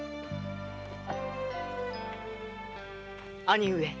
兄上。